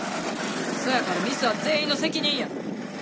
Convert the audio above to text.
そやからミスは全員の責任や。